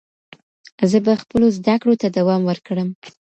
زه به خپلو زده کړو ته دوام ورکړم.